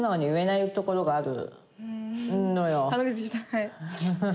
はい。